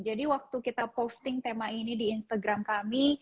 jadi waktu kita posting tema ini di instagram kami